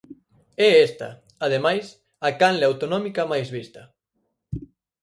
É esta, ademais, a canle autonómica máis vista.